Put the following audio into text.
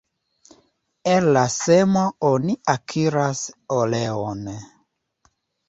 El la semo oni akiras oleon.